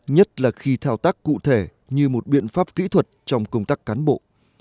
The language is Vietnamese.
nhất là khi thao tác cụ thể như một biện pháp kỹ thuật trong công tác cán bộ